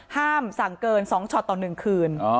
ห้ามสั่งเกิน๒ช็อตต่อ๑คืน